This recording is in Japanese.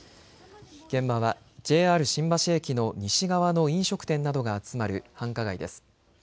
現場はＪＲ新橋駅の西側の飲食店などが集まる繁華街です。